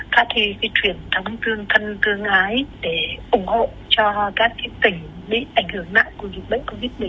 và chuyển thống thương thân cương ái để ủng hộ cho các tỉnh bị ảnh hưởng nặng của dịch bệnh covid một mươi chín